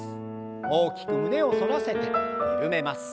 大きく胸を反らせて緩めます。